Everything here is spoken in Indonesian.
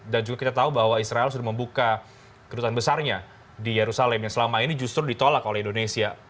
dan juga kita tahu bahwa israel sudah membuka kedutaan besarnya di yerusalem yang selama ini justru ditolak oleh indonesia